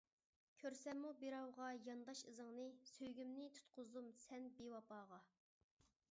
كۆرسەممۇ بىراۋغا يانداش ئىزىڭنى، سۆيگۈمنى تۇتقۇزدۇم سەن بىۋاپاغا.